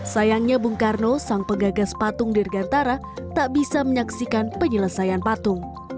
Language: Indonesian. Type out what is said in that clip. sayangnya bung karno sang pegagas patung dirgantara tak bisa menyaksikan penyelesaian patung